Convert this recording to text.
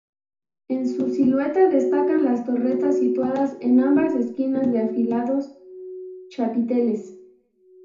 En su silueta destacan las torretas situadas en ambas esquinas, de afilados chapiteles.